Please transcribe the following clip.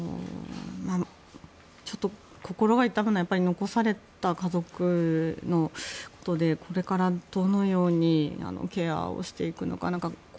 ちょっと心が痛むのは残された家族のことでこれからどのようにケアをしていくのか。